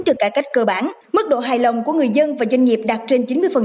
được cải cách cơ bản mức độ hài lòng của người dân và doanh nghiệp đạt trên chín mươi